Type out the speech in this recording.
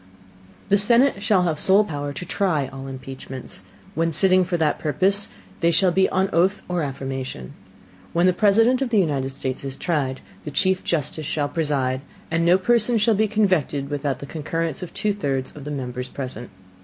The Senate shall have the sole Power to try all Impeachments. When sitting for that Purpose, they shall be on Oath or Affirmation. When the President of the United States is tried, the Chief Justice shall preside: And no Person shall be convicted without the Concurrence of two thirds of the Members present.